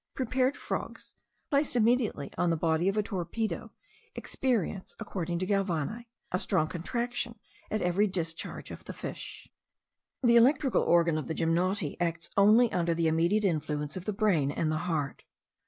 Prepared frogs, placed immediately on the body of a torpedo, experience, according to Galvani, a strong contraction at every discharge of the fish. The electrical organ of the gymnoti acts only under the immediate influence of the brain and the heart.